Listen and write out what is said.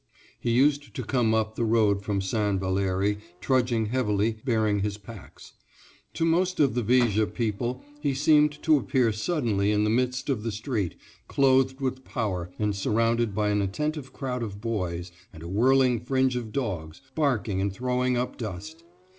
He used to come up the road from St. Valérie, trudging heavily, bearing his packs. To most of the Viger people he seemed to appear suddenly in the midst of the street, clothed with power, and surrounded by an attentive crowd of boys, and a whirling fringe of dogs, barking and throwing up dust.